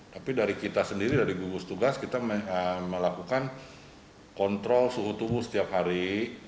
tapi dari kita sendiri dari gugus tugas kita melakukan kontrol suhu tubuh setiap hari